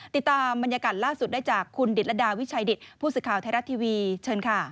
ติดตามบรรยากาศล่าสุดได้จากคุณดิตรดาวิชัยดิตผู้สื่อข่าวไทยรัฐทีวีเชิญค่ะ